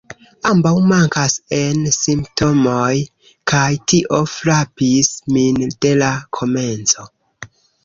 Ambaŭ mankas en Simptomoj, kaj tio frapis min de la komenco.